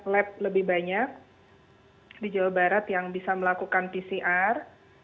lab lebih banyak di jawa barat yang bisa melakukan pcr